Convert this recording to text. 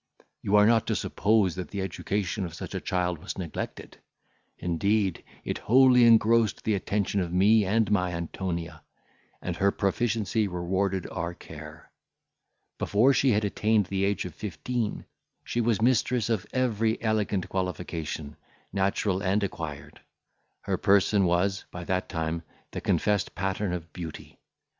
You are not to suppose that the education of such a child was neglected. Indeed, it wholly engrossed the attention of me and my Antonia, and her proficiency rewarded our care. Before she had attained the age of fifteen, she was mistress of every elegant qualification, natural and acquired. Her person was, by that time, the confessed pattern of beauty.